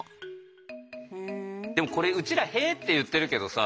でもこれうちら「へ」って言ってるけどさ